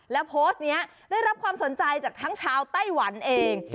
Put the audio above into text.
แล้วโพสต์นี้ได้รับความสนใจจากทั้งชาวไต้หวันเอง